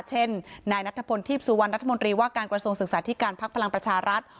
เช่นนายนัทพลทีพสุวรรณรัฐมนตรีว่าการกระทรวงศึกษาธิการพักพลังประชารัฐ